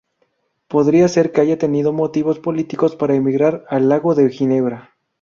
Podría ser que haya tenido motivos políticos para emigrar al lago de Ginebra.